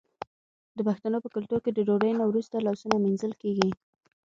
د پښتنو په کلتور کې د ډوډۍ نه وروسته لاسونه مینځل کیږي.